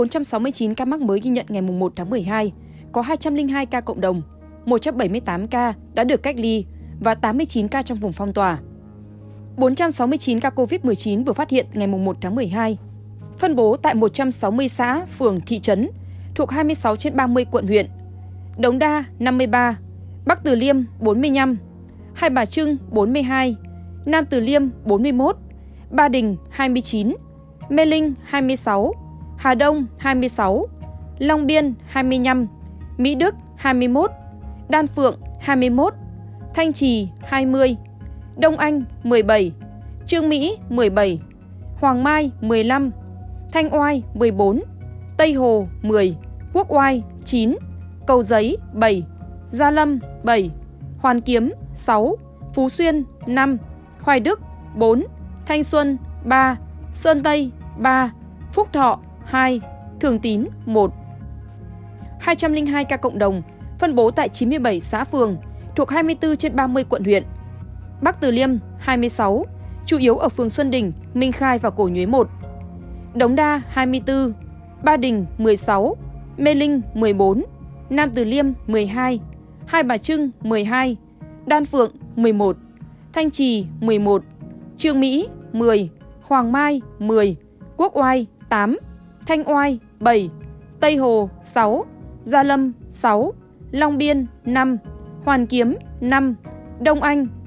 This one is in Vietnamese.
hà nội lại lập đỉnh thêm bốn trăm sáu mươi chín ca mắc mới có hai trăm linh hai ca cộng đồng